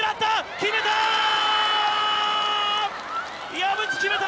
決めた！